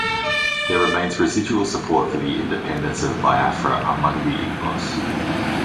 There remains residual support for the independence of Biafra among the Igbos.